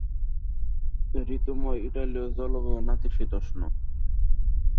ঋতুময় ইতালীয় জলবায়ু নাতিশীতোষ্ণ।